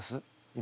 今。